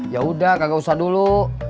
yaudah kagak usah dulu